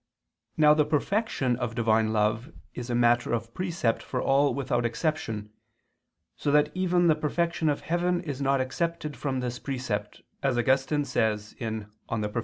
Now the perfection of Divine love is a matter of precept for all without exception, so that even the perfection of heaven is not excepted from this precept, as Augustine says (De Perf.